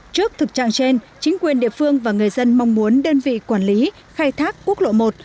trước thực trạng trên chính quyền địa phương và người dân mong muốn đơn vị quản lý khai thác quốc lộ một